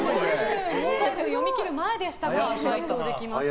問題を読み切る前でしたが解答できました。